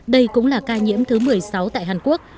đây cũng là ca nhiễm thứ một mươi sáu tại hàn quốc